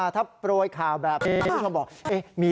ถ้าโปรยข่าวแบบนี้